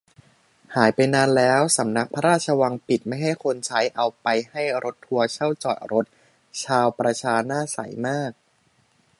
หายไปนานแล้ว สำนักพระราชวังปิดไม่ให้คนใช้ เอาไปให้รถทัวร์เช่าจอดรถ ชาวประชาหน้าใสมาก